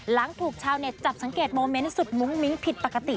หลังถูกชาวเน็ตจับสังเกตโมเมนต์สุดมุ้งมิ้งผิดปกติ